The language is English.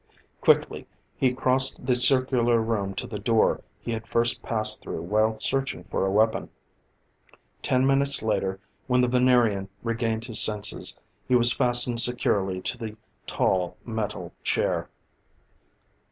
Quickly he crossed the circular room to the door he had first passed through while searching for a weapon. Ten minutes later, when the Venerian regained his senses, he was fastened securely to the tall, metal chair.